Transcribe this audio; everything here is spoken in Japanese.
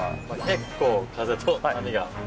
結構風と波が。